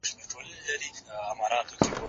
زه اوس د زده کړو تمرين کوم؟